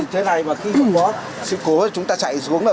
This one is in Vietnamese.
tất cả những vật dụng